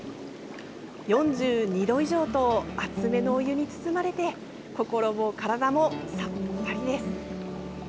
４２度以上と熱めのお湯に包まれて心も体もさっぱりです。